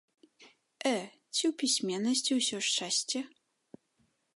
Э, ці ў пісьменнасці ўсё шчасце?